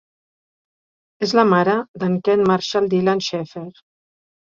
És la mare d'en Kent Marshall Dylan Schaffer.